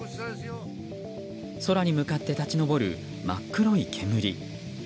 空に向かって立ち上る真っ黒い煙。